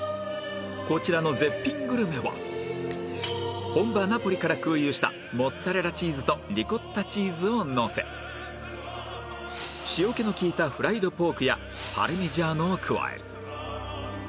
こちらの絶品グルメは本場ナポリから空輸したモッツァレラチーズとリコッタチーズをのせ塩気の利いたフライドポークやパルミジャーノを加え